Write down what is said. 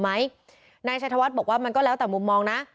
ทางคุณชัยธวัดก็บอกว่าการยื่นเรื่องแก้ไขมาตรวจสองเจน